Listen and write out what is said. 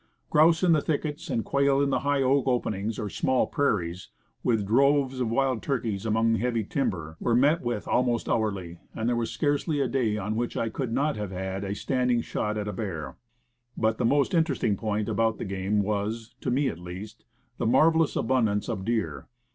Grouse in the thickets, and quail in the high oak openings, or small prairies, with droves of wild turkeys among heavy timber, were met with almost hourly, and there was scarcely a day on which I could not have had a standing shot at a bear. But the most interesting point about the game was to me, at least the marvelous abundance of deer.